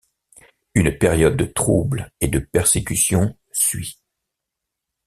Une période de troubles et de persécutions suit.